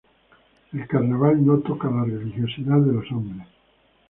El Carnaval no toca la religiosidad de los hombres.